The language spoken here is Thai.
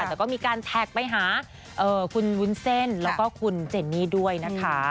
แต่ก็มีการแท็กไปหาคุณวุ้นเส้นแล้วก็คุณเจนนี่ด้วยนะคะ